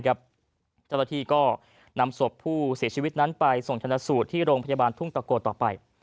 เจ้าหน้าที่ก็นำศพผู้เสียชีวิตนั้นไปส่งชนะสูตรที่โรงพยาบาลทุ่งตะโกต่อไป